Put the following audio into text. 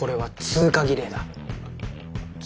通過儀礼？